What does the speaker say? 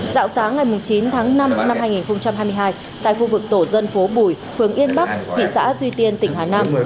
dạo sáng ngày chín tháng năm năm hai nghìn hai mươi hai tại phương vực tổ dân phố bùi phương yên bắc thị xã duy tiên tỉnh hà nam